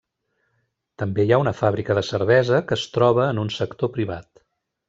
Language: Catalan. També hi ha una fàbrica de cervesa que es troba en un sector privat.